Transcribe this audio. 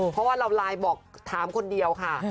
เพราะว่าเราไลน์บอกถามคนเดียวค่ะ